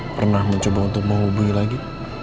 pernah mencoba untuk menghubungi lagi